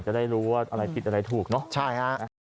จะได้รู้ว่าอะไรผิดอะไรถูกเนอะใช่ฮะ